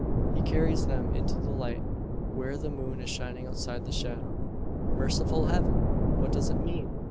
He carries them into the light, where the moon is shining outside the shadow. Merciful heaven! what does it mean?